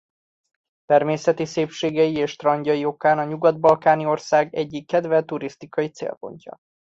Természeti szépségei és strandjai okán a nyugat-balkáni ország egyik kedvelt turisztikai célpontja.